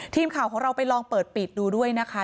ทีมข่าวของเราไปลองเปิดปิดดูด้วยนะคะ